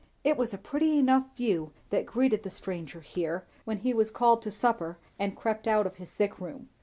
It was a pretty enough view that greeted the stranger here, when he was called to supper and crept out of his sick room.